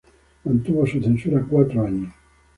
Mantuvo su censura cuatro años.